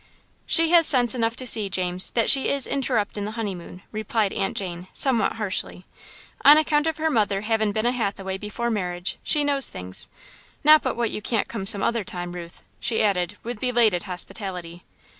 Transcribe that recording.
"She has sense enough to see, James, that she is interruptin' the honeymoon," replied Aunt Jane, somewhat harshly. "On account of her mother havin' been a Hathaway before marriage, she knows things. Not but what you can come some other time, Ruth," she added, with belated hospitality.